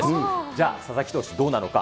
じゃあ、佐々木投手、どうなのか。